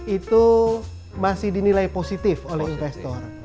itu masih dinilai positif oleh investor